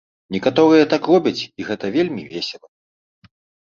Некаторыя так робяць, і гэта вельмі весела.